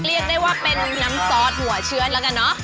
เรียกได้ว่าเป็นน้ำซอสหัวเชื้อแล้วกันเนอะ